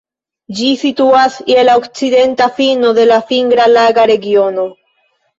Ĝi situas je la okcidenta fino de la Fingra-Laga Regiono.